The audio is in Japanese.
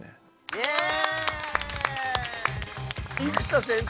イエーイ！